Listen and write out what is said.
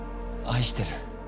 愛してる。